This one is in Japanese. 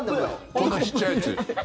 こんなちっちゃいやつ。